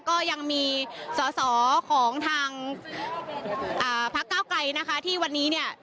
ก็ยังมีสอสอของทางพักเก้าไกลนะคะที่วันนี้เนี่ย